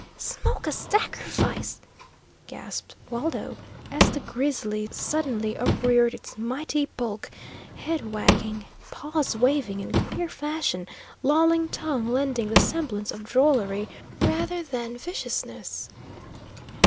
"Smoke o' sacrifice!" gasped Waldo, as the grizzly suddenly upreared its mighty bulk, head wagging, paws waving in queer fashion, lolling tongue lending the semblance of drollery rather than viciousness.